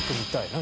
何？